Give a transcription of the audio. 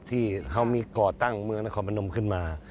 ที่เขามีก่อตั้งเมืองนครพนมขึ้นมา